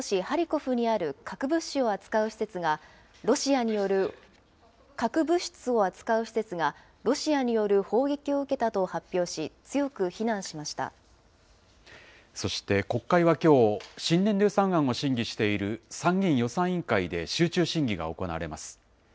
ハリコフにある核物質を扱う施設がロシアによる、核物質を扱う施設がロシアによる攻撃を受けたと発表し、強く非難しまそして、国会はきょう、新年度予算案を審議している参議院予算委員会で集中審議が行われます。